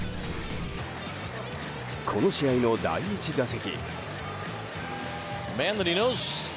この試合の第１打席。